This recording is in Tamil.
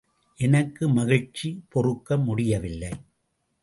எனக்கு மகிழ்ச்சி பொறுக்க முடியவில்லை.